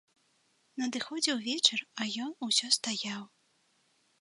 Надыходзіў вечар, а ён усё стаяў.